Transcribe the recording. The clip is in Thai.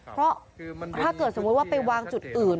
เพราะถ้าเกิดสมมุติว่าไปวางจุดอื่น